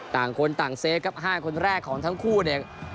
ต่างคนต่างเซฟครับ๕คนแรกของทั้งคู่เนี่ย